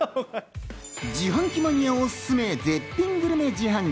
自販機マニアおすすめ、絶品グルメ自販機。